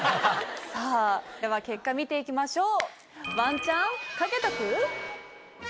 さあでは結果見ていきましょう。